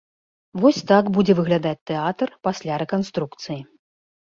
Вось так будзе выглядаць тэатр пасля рэканструкцыі.